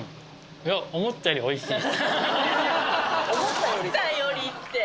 いや、思ったよりおい思ったよりって。